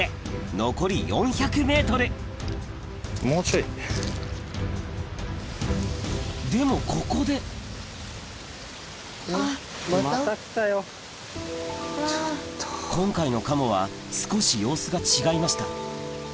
いよいよでもここで今回のカモは少し様子が違いました